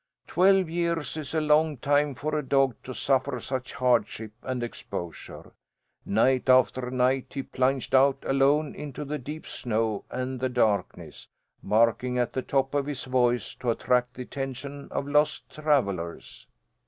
Twelve years is a long time for a dog to suffer such hardship and exposure. Night after night he plunged out alone into the deep snow and the darkness, barking at the top of his voice to attract the attention of lost travellers.